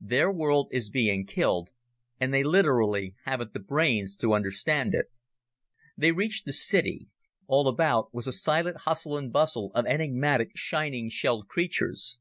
Their world is being killed, and they literally haven't the brains to understand it." They reached the city. All about was a silent hustle and bustle of enigmatic, shining, shelled creatures.